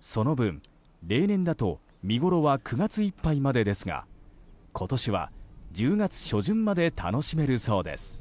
その分、例年だと見ごろは９月いっぱいまでですが今年は１０月初旬まで楽しめるそうです。